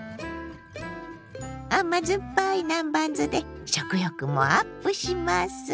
甘酸っぱい南蛮酢で食欲もアップしますよ！